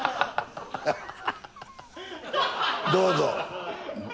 どうぞ。